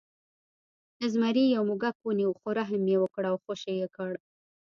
زمري یو موږک ونیو خو رحم یې وکړ او خوشې یې کړ.